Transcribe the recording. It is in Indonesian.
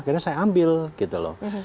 akhirnya saya ambil gitu loh